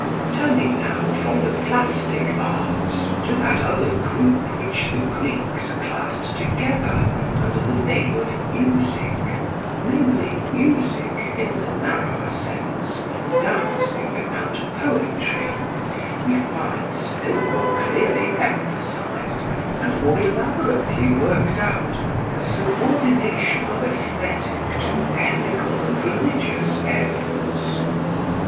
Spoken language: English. Turning now from the plastic arts to that other group which the Greeks classed together under the name of "Music" namely music, in the narrower sense, dancing and poetry we find still more clearly emphasised and more elaborately worked out the subordination of aesthetic to ethical and religious ends.